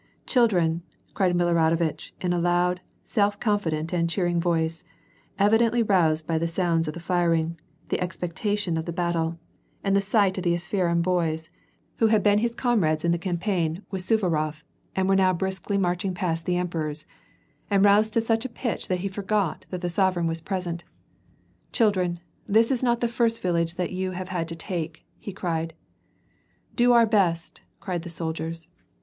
" Children !" cried Miloradovitch in a loud, self confident, and cheering voice, evidently roused by the sounds of the firing, the expectation of the battle, and the sight of the Ap * Ma/oi sire I nous/erons ce qve qui sera dans iiotre poMsibUit^. WAR ASb PEACE. 8Sd sbeion boys, who had been his comiades in the campaigns with Snrarof, and were now briskly marching past the emperors, and roused to such a pitch that he forgot that the sovereign was present :'* Children ! this is not the first Tillage that you have had to take," he cried. "Do our best," cried the soldiers.